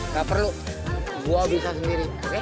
gak perlu gue bisa sendiri